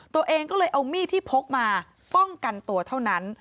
ตัวเองก็เลยเอามีดที่พกมาป้องกันตัวเท่านั้น